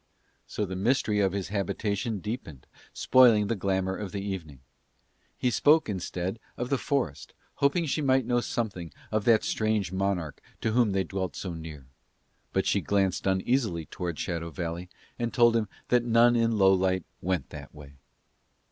So the mystery of his habitation deepened, spoiling the glamour of the evening. He spoke, instead, of the forest, hoping she might know something of that strange monarch to whom they dwelt so near; but she glanced uneasily towards Shadow Valley and told him that none in Lowlight went that way.